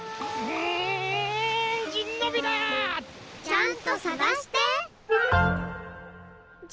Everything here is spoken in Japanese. ちゃんとさがして！